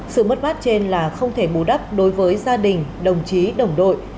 sự mất mát trên là không thể bù đắp đối với gia đình đồng chí đồng đội